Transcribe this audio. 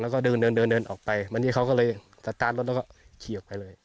แล้วก็เดินเดินเดินออกไปวันนี้เขาก็เลยสตาร์ทรถแล้วก็ขี่ออกไปเลย